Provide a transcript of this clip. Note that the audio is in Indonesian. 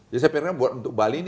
jadi saya pikirkan untuk bali ini